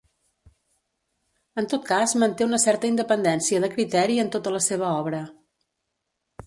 En tot cas manté una certa independència de criteri en tota la seva obra.